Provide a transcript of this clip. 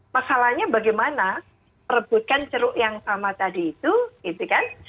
masalahnya bagaimana perebutkan ceruk yang sama tadi itu gitu kan